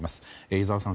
井澤さん